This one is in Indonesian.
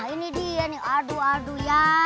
ini dia nih aduh aduh